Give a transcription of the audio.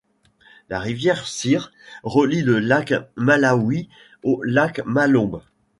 La rivière Shire relie le lac Malawi au lac Malombe.